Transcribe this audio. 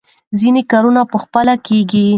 ځینې کارونه په خپله کېږي.